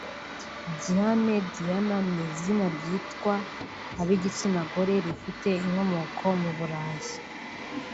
Diane/Diana ni izina ryitwa ab’igitsina gore rifite inkomoko mu Burayi